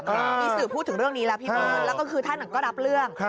มีสื่อพูดถึงเรื่องนี้แล้วพี่เบิ้ลแล้วก็คือท่านก็รับเรื่อง